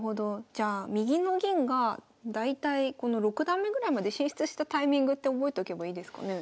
じゃあ右の銀が大体この６段目ぐらいまで進出したタイミングって覚えとけばいいですかね？